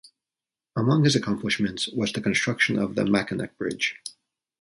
Among his accomplishments was the construction of the Mackinac Bridge.